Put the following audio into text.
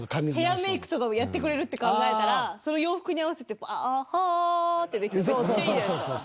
ヘアメークとかをやってくれるって考えたらその洋服に合わせてハーッてできるのめっちゃいいじゃないですか。